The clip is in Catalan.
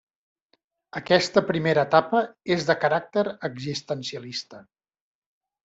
Aquesta primera etapa és de caràcter existencialista.